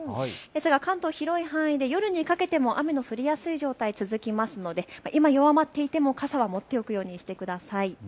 関東、広い範囲で夜にかけても雨の降りやすい状況続きますので今弱まっていても傘を持っておくようにしてください。